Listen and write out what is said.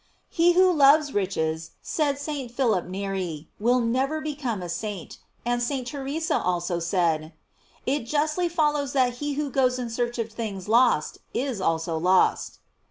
* He who loves riches, said St. Philip Neri, will never become a saint; and St. Theresa also said: It justly follows that he who goes in search of things lost is also lost.